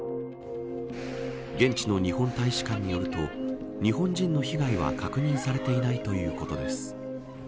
現地の日本大使館によると日本人の被害は確認されていないということです。